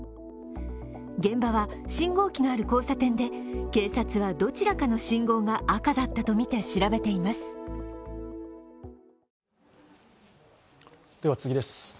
現場は信号機のある交差点で警察はどちらかの信号が赤だったとみて調べています。